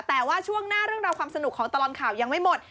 แต่ว่าช่วงหน้าเรื่องราวความสนุกของตลอดข่าวยังไม่หมด